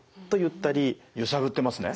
ゆさぶってますね？